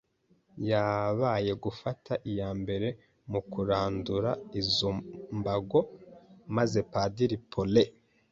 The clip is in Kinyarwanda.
yabaye gufata iya mbere mu kurandura izo mbago maze Padiri Paulin